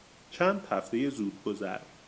چند هفتهی زودگذر